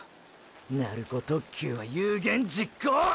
鳴子特急は有言実行！！